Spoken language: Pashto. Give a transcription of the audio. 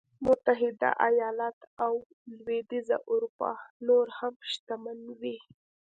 متحده ایالت او لوېدیځه اروپا نور هم شتمن وي.